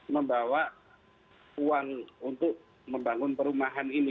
membawa uang untuk membangun perumahan ini